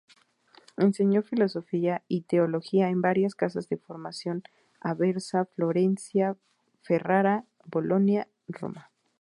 Enseñó filosofía y teología en varias casas de formación: Aversa, Florencia, Ferrara, Bolonia, Roma.